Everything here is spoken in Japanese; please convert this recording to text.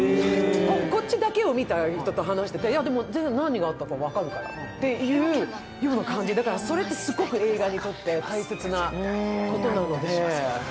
こっちだけを見た人と話してて、全然何があったか分かるからっていうような感じで、それってすごく映画にとって大切なことなので。